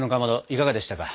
いかがでしたか？